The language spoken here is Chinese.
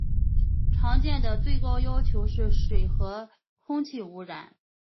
常见的最高要求是水和空气污染。